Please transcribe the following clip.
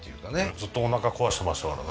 ずっとおなか壊してましたからね。